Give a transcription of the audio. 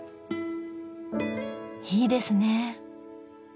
いいですねえ。